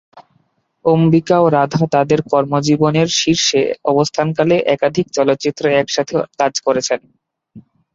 অম্বিকা ও রাধা তাদের কর্মজীবনের শীর্ষে অবস্থান কালে একাধিক চলচ্চিত্রে একসাথে কাজ করেছেন।